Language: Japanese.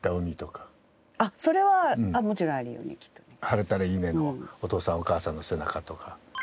『晴れたらいいね』のお父さんお母さんの背中とか。